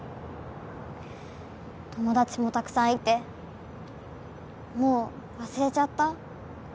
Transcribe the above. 友達もたくさんいてもう忘れちゃった？